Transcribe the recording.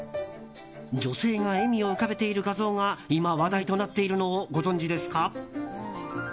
女性が笑みを浮かべている画像が今、話題となっているのをご存じですか？